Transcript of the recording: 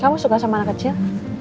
kamu suka sama anak kecil